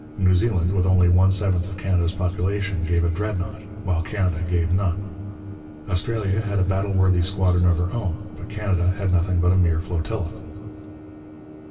New Zealand, with only one seventh of Canada's population, gave a Dreadnought, while Canada gave none. Australia had a battle worthy squadron of her own but Canada had nothing but a mere flotilla.